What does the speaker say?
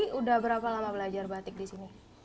sudah berapa lama belajar membatik di sini